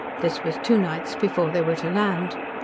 This was two nights before they were to land.